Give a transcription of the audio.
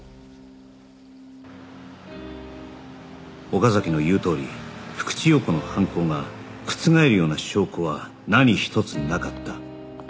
岡崎の言うとおり福地陽子の犯行が覆るような証拠は何一つなかった